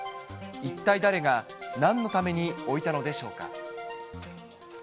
一体誰がなんのために置いたのでしょうか。